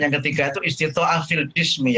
yang ketiga itu isti to'ah fil jismi